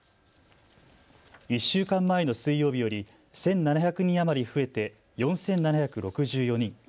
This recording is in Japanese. １週間前の水曜日より１７００人余り増えて４７６４人。